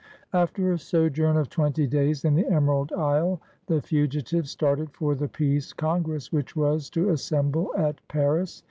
After a sojourn of twenty days in the Emerald Isle, the fugitive started for the Peace Congress which was to assemble at Paris.